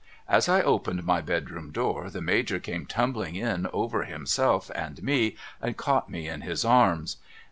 As I opened my bedroom door the Major came tumbling in over himself and me, and caught me in his arms.